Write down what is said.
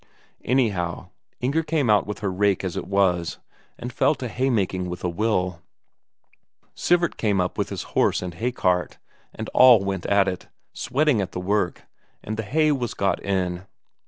Anyhow, Inger came out with her rake as it was, and fell to haymaking with a will; Sivert came up with the horse and haycart, and all went at it, sweating at the work, and the hay was got in.